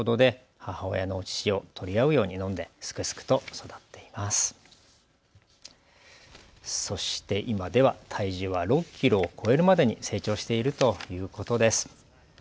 そして今では体重は６キロを超えるまでに成長しているということです。